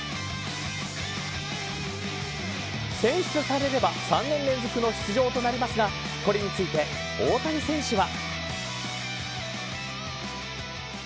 選出されれば３年連続の出場となりますがこれについて、大谷選手は。